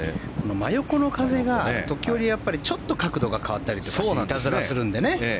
真横の風がちょっと角度が変わったりしていたずらするんでね。